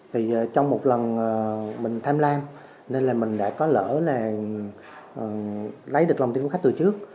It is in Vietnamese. thì trong một lần mình tham lam nên là mình đã có lỡ là lấy được lòng tin của khách từ trước